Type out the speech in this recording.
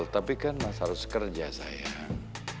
tapi kan mas harus kerja sayang